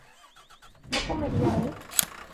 ¿no comería él?